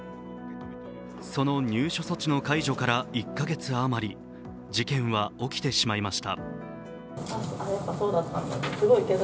その入所措置の解除から１か月あまり、事件は起きてしまいました。